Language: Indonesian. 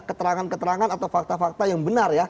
keterangan keterangan atau fakta fakta yang benar ya